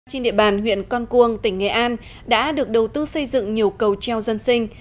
trên địa bàn huyện con cuông tỉnh nghệ an đã được đầu tư xây dựng nhiều cầu treo dân sinh